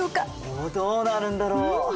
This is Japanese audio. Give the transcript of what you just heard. おどうなるんだろう？